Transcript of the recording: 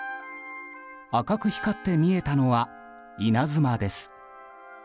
赤く光って見えたのは稲妻です。